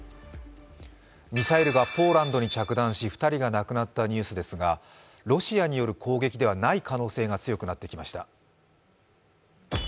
ミサイルがポーランドに着弾し２人が亡くなったニュースですがロシアによる攻撃ではない可能性が強くなってきました。